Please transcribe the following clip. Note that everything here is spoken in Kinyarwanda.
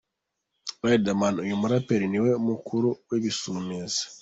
Riderman: uyu muraperi ni we mukuru w’Ibisumizi.